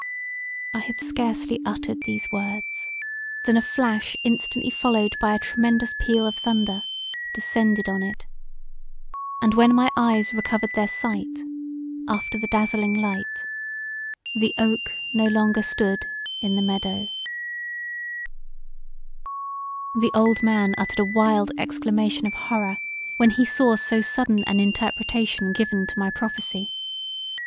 I had scarcely uttered these words than a flash instantly followed by a tremendous peal of thunder descended on it; and when my eyes recovered their sight after the dazzling light, the oak no longer stood in the meadow The old man uttered a wild exclamation of horror when he saw so sudden an interpretation given to my prophesy.